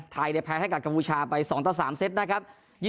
ไทยเนี่ยแพงให้กับกับกัปตัวสามเซตนะครับ